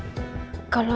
terima kasih pak